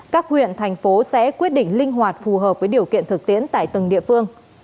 các huyện thành phố sẽ quyết định linh hoạt phù hợp với điều kiện thực tiễn tại từng địa phương